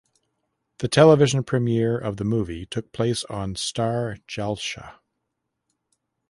The television premiere of the movie took place on Star Jalsha.